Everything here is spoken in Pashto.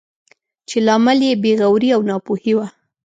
چې لامل یې بې غوري او ناپوهي وه.